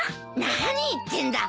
何言ってんだ。